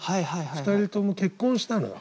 ２人とも結婚したのよ。